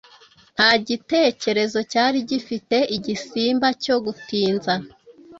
Nta gitekerezo cyari gifite igisimba cyo gutinza